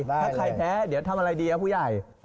ถ้าใครแพ้เดี๋ยวทำอะไรดีครับผู้ใหญ่